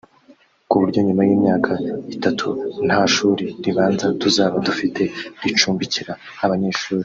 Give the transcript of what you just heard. ku buryo nyuma y’imyaka itatu nta shuri ribanza tuzaba dufite ricumbikira abanyeshuri